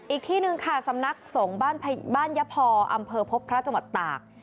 อีกที่หนึ่งค่ะสำนักสงฆ์บ้านยะพออำเภอพบพระจังหวัดตาก